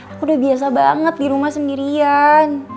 aku udah biasa banget dirumah sendirian